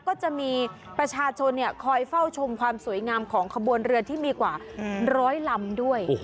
ก็จะมีประชาชนคอยเฝ้าชมความสวยงามของขบวนเรือที่มีกว่าร้อยลำด้วย